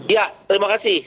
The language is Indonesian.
ya terima kasih